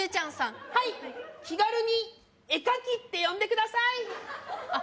はい気軽に「絵描き」って呼んでくださいあっ